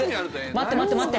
待って待って待って。